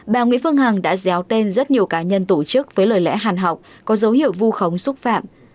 bà nguyễn phương hằng đã déo tên rất nhiều cá nhân tổ chức với lời lẽ hàn học có dấu hiệu vu khống xúc phạm